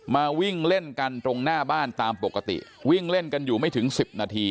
มาวิ่งเล่นกันตรงหน้าบ้านตามปกติวิ่งเล่นกันอยู่ไม่ถึง๑๐นาที